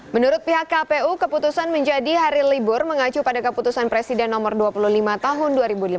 menurut pihak kpu keputusan menjadi hari libur mengacu pada keputusan presiden nomor dua puluh lima tahun dua ribu delapan belas